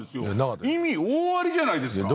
意味大ありじゃないですか！